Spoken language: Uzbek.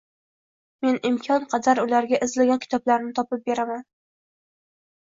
Men imkon qadar ularga izlagan kitoblarini topib beraman.